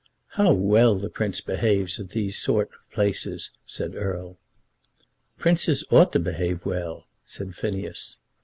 "How well the Prince behaves at these sort of places!" said Erle. "Princes ought to behave well," said Phineas.